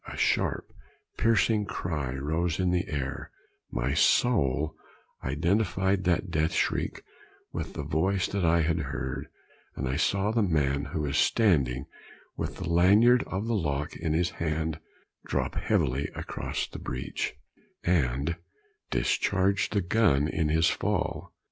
A sharp, piercing cry rose in the air my soul identified that death shriek with the voice that I had heard, and I saw the man who was standing with the lanyard of the lock in his hand drop heavily across the breech, and discharge the gun in his fall.